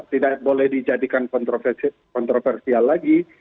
tidak boleh dijadikan kontroversial lagi